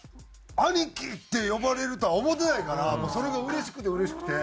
「兄貴」って呼ばれるとは思ってないからそれがうれしくてうれしくて。